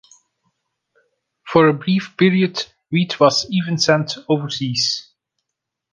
For a brief period wheat was even sent overseas.